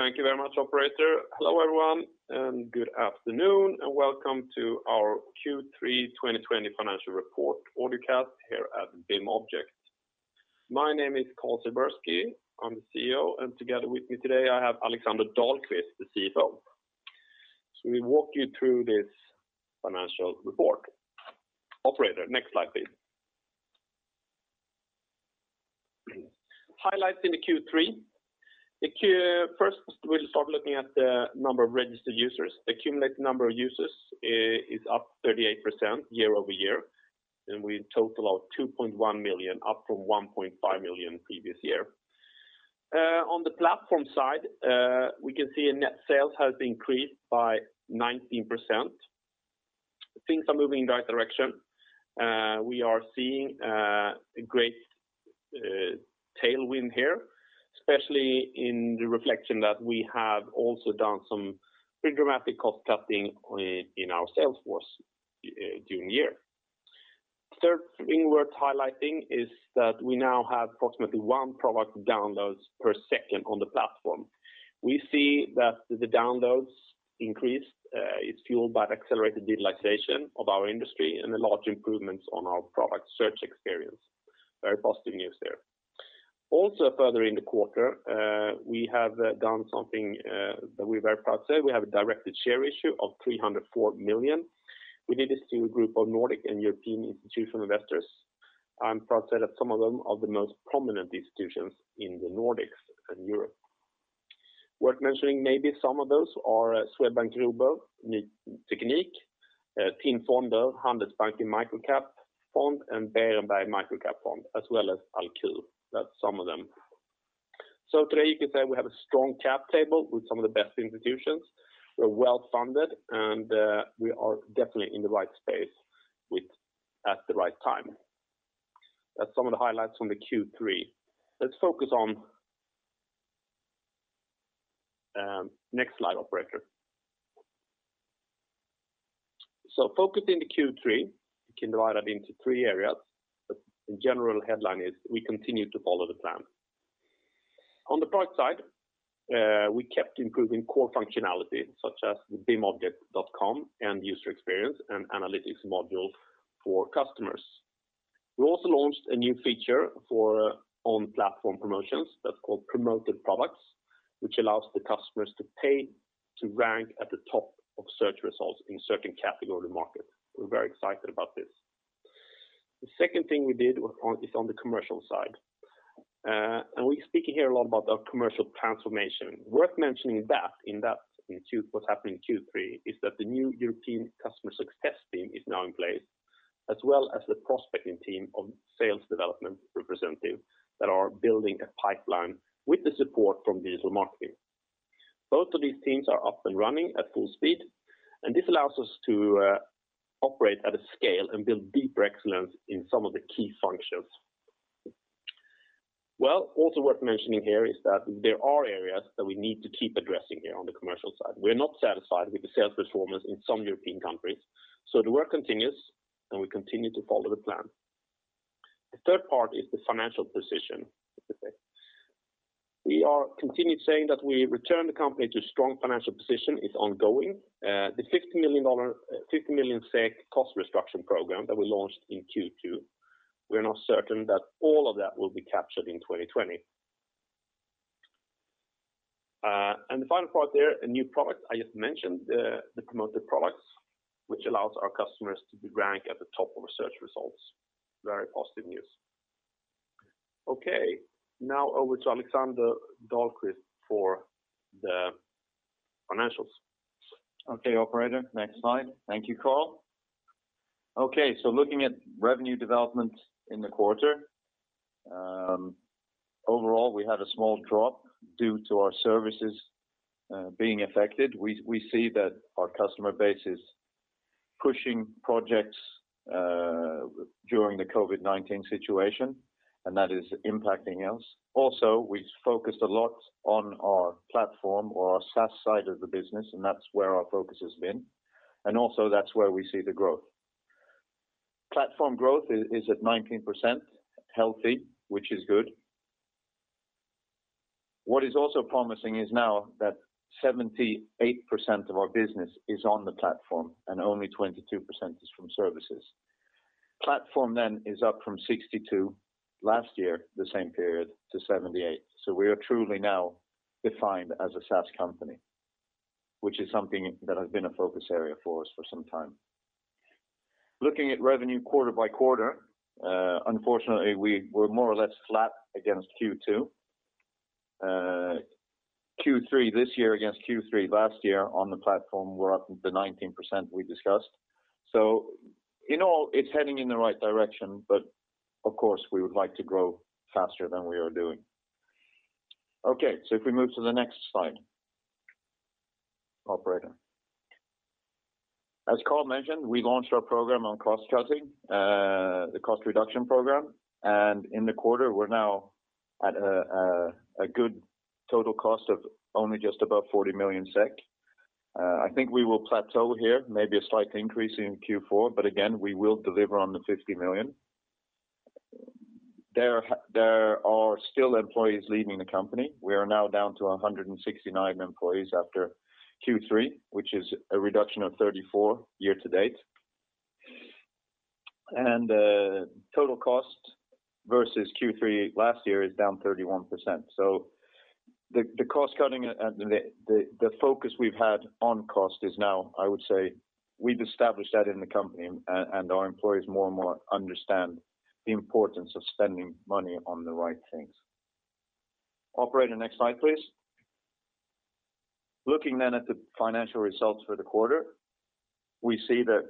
Go ahead. Thank you very much, Operator. Hello, everyone, and good afternoon. Welcome to our Q3 2020 Financial Report Audiocast here at BIMobject. My name is Carl Silbersky, I'm the CEO, and together with me today, I have Alexander Dahlquist, the CFO. We'll walk you through this financial report. Operator, next slide, please. Highlights into Q3. First, we'll start looking at the number of registered users. The accumulated number of users is up 38% year-over-year, and we total of 2.1 million, up from 1.5 million previous year. On the platform side, we can see net sales has increased by 19%. Things are moving in the right direction. We are seeing a great tailwind here, especially in the reflection that we have also done some pretty dramatic cost-cutting in our sales force during the year. Third thing worth highlighting is that we now have approximately one product downloads per second on the platform. We see that the downloads increased. It's fueled by accelerated digitalization of our industry and a large improvement on our product search experience. Very positive news there. Further in the quarter, we have done something that we're very proud to say. We have a directed share issue of 304 million. We did this through a group of Nordic and European institutional investors. I'm proud to say that some of them are the most prominent institutions in the Nordics and Europe. Worth mentioning maybe some of those are Swedbank Robur Ny Teknik, TIN Fonder, Handelsbanken Microcap, and Berenberg European Micro Cap, as well as Alcur. That's some of them., Today you could say we have a strong cap table with some of the best institutions. We're well-funded, and we are definitely in the right space at the right time. That's some of the highlights from the Q3. Let's focus on Next slide, Operator. Focusing the Q3, you can divide that into three areas, but the general headline is we continue to follow the plan. On the product side, we kept improving core functionality such as the bimobject.com and user experience and analytics module for customers. We also launched a new feature for on-platform promotions that's called Promoted Products, which allows the customers to pay to rank at the top of search results in certain category markets. We're very excited about this. The second thing we did is on the commercial side. We're speaking here a lot about our commercial transformation. Worth mentioning that in what's happening in Q3 is that the new European customer success team is now in place, as well as the prospecting team of sales development representatives that are building a pipeline with the support from digital marketing. Both of these teams are up and running at full speed, and this allows us to operate at a scale and build deeper excellence in some of the key functions. Well, also worth mentioning here is that there are areas that we need to keep addressing here on the commercial side. We're not satisfied with the sales performance in some European countries, so the work continues, and we continue to follow the plan. The third part is the financial position. We are continued saying that we return the company to strong financial position is ongoing. The SEK 50 million cost reduction program that we launched in Q2, we're now certain that all of that will be captured in 2020. The final part there, a new product I just mentioned, the Promoted Products, which allows our customers to be ranked at the top of the search results. Very positive news. Okay. Now over to Alexander Dahlquist for the financials. Okay, operator, next slide. Thank you, Carl. Looking at revenue development in the quarter. Overall, we had a small drop due to our services being affected. We see that our customer base is pushing projects during the COVID-19 situation, and that is impacting us. We focused a lot on our platform or our SaaS side of the business, and that's where our focus has been. That's where we see the growth. Platform growth is at 19%, healthy, which is good. What is also promising is now that 78% of our business is on the platform and only 22% is from services. Platform then is up from 62% last year, the same period, to 78%. We are truly now defined as a SaaS company, which is something that has been a focus area for us for some time. Looking at revenue quarter-by-quarter, unfortunately, we're more or less flat against Q2. Q3 2020 against Q3 2019 on the platform, we're up the 19% we discussed. In all, it's heading in the right direction, but of course, we would like to grow faster than we are doing. If we move to the next slide, operator. As Carl mentioned, we launched our program on cost-cutting, the cost reduction program, and in the quarter, we're now at a good total cost of only just above 40 million SEK. I think we will plateau here, maybe a slight increase in Q4, but again, we will deliver on the 50 million. There are still employees leaving the company. We are now down to 169 employees after Q3, which is a reduction of 34 year-to-date. Total cost versus Q3 2019 is down 31%. The cost-cutting and the focus we've had on cost is now, I would say, we've established that in the company, and our employees more and more understand the importance of spending money on the right things. Operator, next slide, please. Looking at the financial results for the quarter, we see that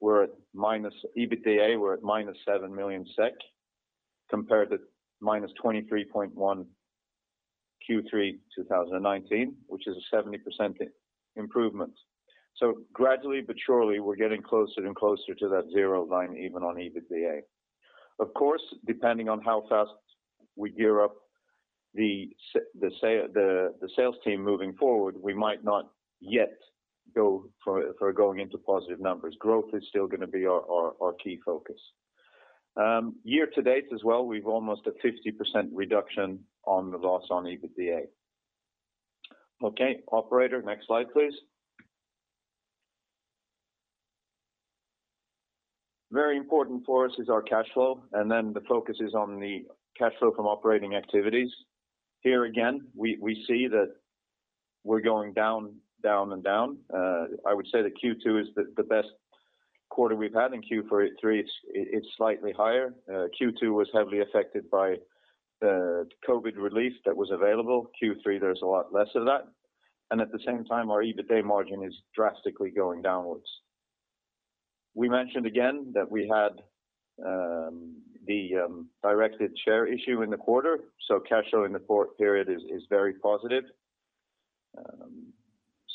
we're at minus EBITDA. We're at -7 million SEK compared to -23.1 million Q3 2019, which is a 70% improvement. Gradually but surely, we're getting closer and closer to that zero line, even on EBITDA. Of course, depending on how fast we gear up the sales team moving forward, we might not yet go for going into positive numbers. Growth is still going to be our key focus. Year to date as well, we've almost a 50% reduction on the loss on EBITDA. Operator, next slide, please. Very important for us is our cash flow, and then the focus is on the cash flow from operating activities. Here again, we see that we're going down and down. I would say that Q2 is the best quarter we've had. In Q3, it's slightly higher. Q2 was heavily affected by the COVID relief that was available. Q3, there's a lot less of that. At the same time, our EBITDA margin is drastically going downwards. We mentioned again that we had the directed share issue in the quarter. Cash flow in the fourth period is very positive.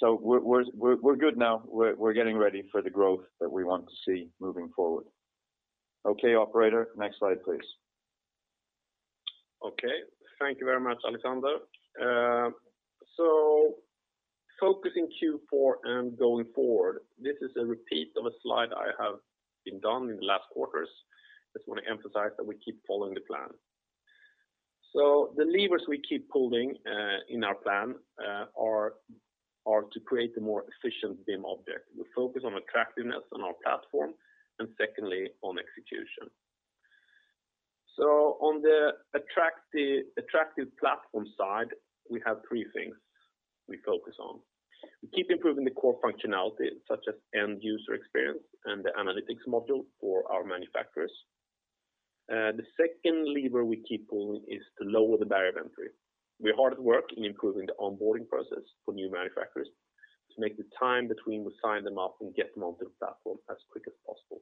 We're good now. We're getting ready for the growth that we want to see moving forward. Okay, operator, next slide, please. Okay. Thank you very much, Alexander. Focusing Q4 and going forward, this is a repeat of a slide I have been done in the last quarters. I just want to emphasize that we keep following the plan. The levers we keep pulling in our plan are to create a more efficient BIMobject. We focus on attractiveness on our platform and secondly, on execution. On the attractive platform side, we have three things we focus on. We keep improving the core functionality such as end-user experience and the analytics module for our manufacturers. The second lever we keep pulling is to lower the barrier of entry. We're hard at work in improving the onboarding process for new manufacturers to make the time between we sign them up and get them onto the platform as quick as possible.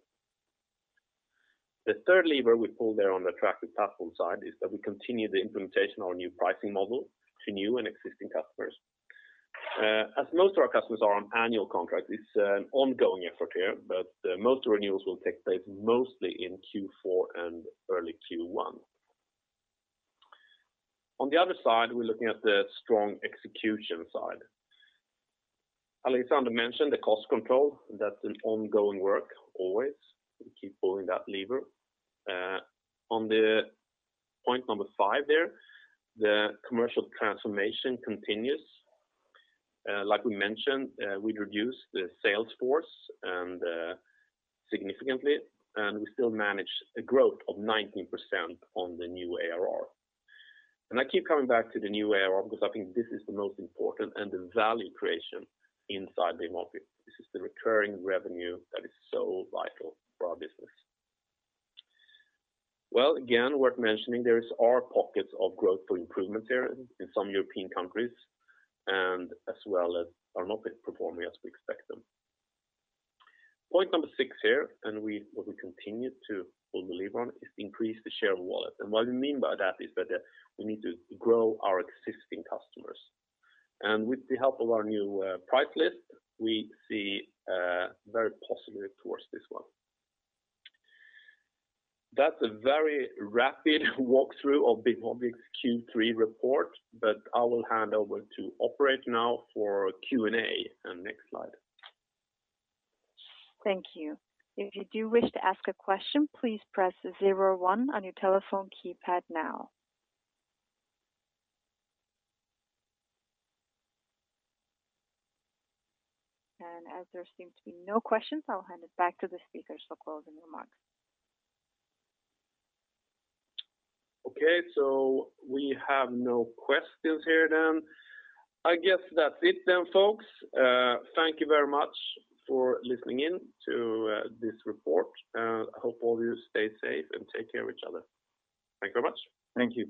The third lever we pull there on the attractive platform side is that we continue the implementation of our new pricing model to new and existing customers. As most of our customers are on annual contracts, it's an ongoing effort here, but most renewals will take place mostly in Q4 and early Q1. On the other side, we're looking at the strong execution side. Alexander mentioned the cost control. That's an ongoing work always. We keep pulling that lever. On the point number five there, the commercial transformation continues. Like we mentioned, we reduced the sales force significantly, and we still managed a growth of 19% on the new ARR. I keep coming back to the new ARR because I think this is the most important and the value creation inside BIMobject. This is the recurring revenue that is so vital for our business. Well, again, worth mentioning, there are pockets of growth for improvements here in some European countries, and as well that are not performing as we expect them. Point six here, and what we continue to pull the lever on, is increase the share of wallet. What we mean by that is that we need to grow our existing customers. With the help of our new price list, we see very positive towards this one. That's a very rapid walkthrough of BIMobject's Q3 report, but I will hand over to operator now for Q&A. Next slide. Thank you. If you do wish to ask a question, please press zero one on your telephone keypad now. As there seems to be no questions, I'll hand it back to the speakers for closing remarks. We have no questions here then. I guess that's it then, folks. Thank you very much for listening in to this report. I hope all of you stay safe and take care of each other. Thank you very much. Thank you.